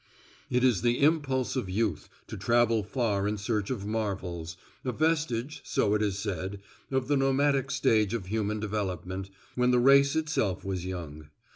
It is the impulse of youth to travel far in search of marvels, a vestige, so it is said, of the nomadic stage of human development, when the race itself was young.